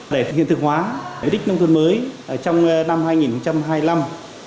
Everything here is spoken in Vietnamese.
để thực hiện thực hóa đích nông thuận mới trong năm hai nghìn hai mươi năm